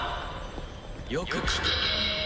「よく聞け」